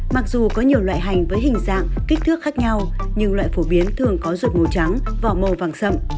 mặc dù có nhiều loại hành với hình dạng kích thước khác nhau nhưng loại phổ biến thường có ruột màu trắng vỏ màu vàng sậm